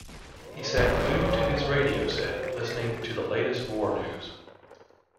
He sat glued to his radio set, listening to the latest war news.